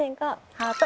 ハート。